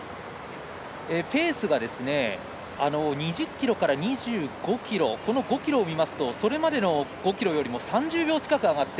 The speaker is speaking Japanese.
ペースが２０ｋｍから２５ｋｍこの５ｋｍを見ますとそれまでの５ｋｍよりも３０秒近く上がって